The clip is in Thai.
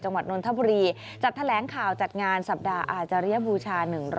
จังหวัดนนทบุรีจัดแถลงข่าวจัดงานสัปดาห์อาจารยบูชา